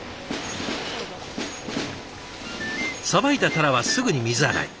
さばいた鱈はすぐに水洗い。